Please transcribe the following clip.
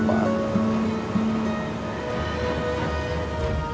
aku mau ke jakarta